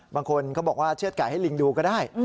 บางคนเขาบอกว่าเชื่อดไก่ให้ลิงดูก็ได้